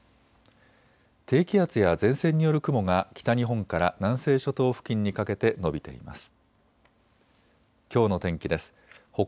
低気圧や前線による雲が北日本から南西諸島付近にかけて延びています。